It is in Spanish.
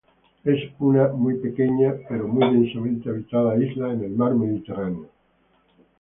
Es una muy pequeña pero muy densamente habitada isla en el mar mediterráneo.